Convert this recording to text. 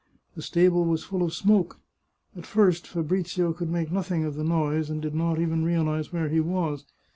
The stable was full of smoke. At first Fabrizio could make nothing of the noise, and did not even reahze where he was.